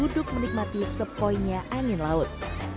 jangan lupa untuk menikmati sepoinya angin laut